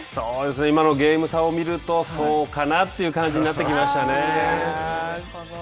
今のゲーム差を見ると、そうかなという感じになってきましたね。